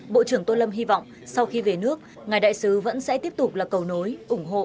bộ trưởng tô lâm hy vọng sau khi về nước ngài đại sứ vẫn sẽ tiếp tục là cầu nối ủng hộ